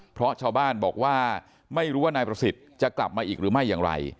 เพราะชาวบ้านบอกว่าไม่รู้ว่านายประสิทธิ์จะกลับมาอีกหรือไม่อย่างไร